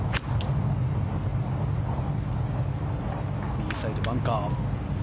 右サイド、バンカー。